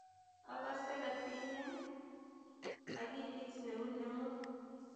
akose katinye akilit neu nengung.